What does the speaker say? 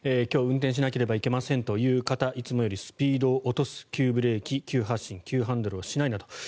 今日、運転しなければいけませんという方いつもよりスピードを落とす急ブレーキ、急発進急ハンドルをしないなど。